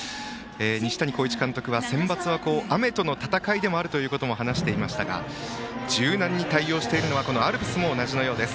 西谷浩一監督はセンバツは雨との戦いでもあると話していましたが柔軟に対応しているのはアルプスも同じのようです。